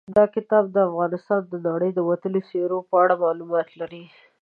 دا کتاب د افغانستان او نړۍ د وتلیو څېرو په اړه معلومات لري.